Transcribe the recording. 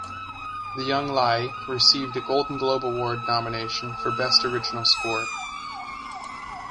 The young Lai received a Golden Globe Award nomination for "Best Original Score".